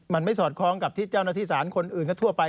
มันไม่สอดคล้องกับที่เจ้าหน้าที่สารคนอื่นก็ทั่วไป